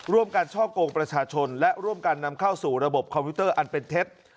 การช่อกงประชาชนและร่วมกันนำเข้าสู่ระบบคอมพิวเตอร์อันเป็นเท็จ